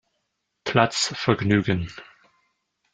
Platz vergnügen.